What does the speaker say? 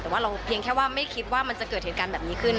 แต่ว่าเราเพียงแค่ว่าไม่คิดว่ามันจะเกิดเหตุการณ์แบบนี้ขึ้น